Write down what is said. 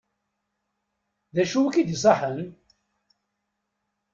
D acu i k-d-iṣaḥen?